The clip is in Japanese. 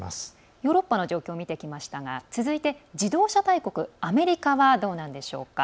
ヨーロッパの状況を見てきましたが続いて、自動車大国アメリカは、どうなんでしょうか。